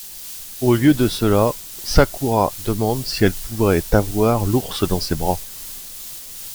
Au lieu de cela Sakura demande si elle pourrait avoir l'ours dans ses bras.